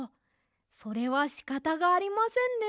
それはしかたがありませんね。